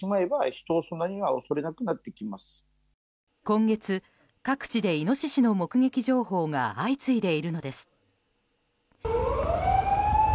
今月、各地でイノシシの目撃情報が相次いでいるのです。